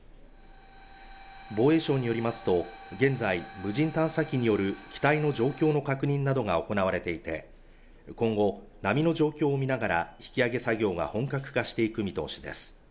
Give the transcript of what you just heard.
防衛省によりますと、現在、無人探査機による機体の状況の確認などが行われていて、今後波の状況を見ながら引き揚げ作業が本格化していく見通しです。